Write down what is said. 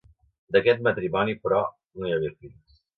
D'aquest matrimoni, però, no hi hagué fills.